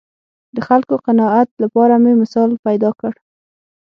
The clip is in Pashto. د خلکو قناعت لپاره مې مثال پیدا کړ